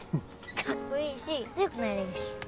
かっこいいし強くなれるし。